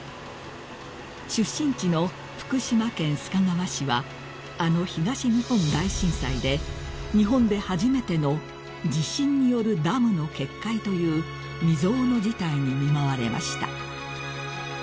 ［出身地の福島県須賀川市はあの東日本大震災で日本で初めての地震によるダムの決壊という未曽有の事態に見舞われました］